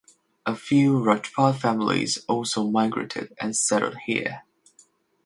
A few Rajput families also migrated and settled here.